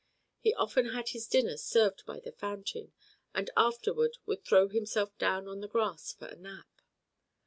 He often had his dinner served by the fountain, and afterward would throw himself down on the grass for a nap.